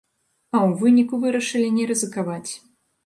Але ў выніку вырашылі не рызыкаваць.